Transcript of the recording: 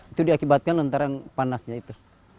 itu diakibatkan antara panasnya itu